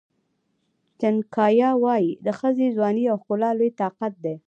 چناکیا وایي د ښځې ځواني او ښکلا لوی طاقت دی.